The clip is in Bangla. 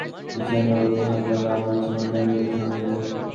যদি আমাকে কয়েক টুকরা সোনার পিছনে দৌড়াইতে হয়, তবে আমার জীবনধারণ বৃথা হইবে।